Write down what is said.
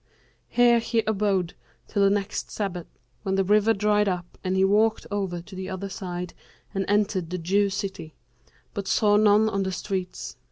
Here he abode till the next Sabbath, when the river dried up and he walked over to the other side and entered the Jew city, but saw none in the streets.